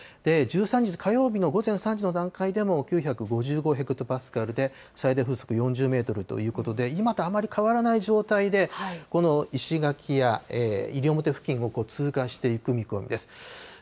１３日火曜日の午前３時の段階でも９５５ヘクトパスカルで、最大風速４０メートルということで、今とあまり変わらない状態で、この石垣や西表付近を通過していく見込みです。